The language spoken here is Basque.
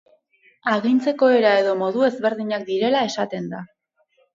Agintzeko era edo modu ezberdinak direla esaten da.